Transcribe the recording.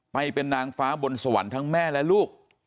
ไปเป็นนางฟ้าบนสวรรค์ทั้งแม่และลูก